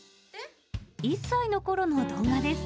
１歳のころの動画です。